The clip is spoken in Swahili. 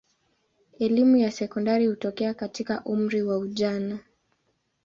Elimu ya sekondari hutokea katika umri wa ujana.